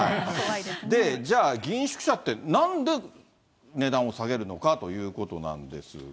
じゃあ、議員宿舎ってなんで値段を下げるのかということなんですが。